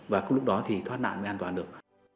và có lúc đó thì thoát nạn mới an toàn được